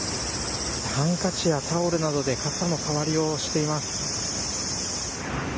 ハンカチやタオルなどで傘の代わりをしています。